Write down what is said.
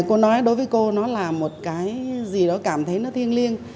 cô nói đối với cô nó là một cái gì đó cảm thấy nó thiêng liêng